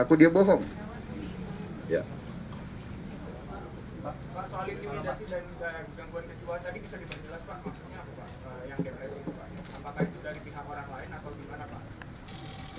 apakah itu dari pihak orang lain atau gimana pak